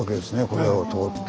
これを通って。